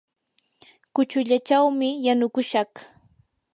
kuchullachawmi yanukushaq.